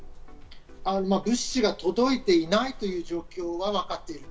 物資が届いていないという状況は分かっている。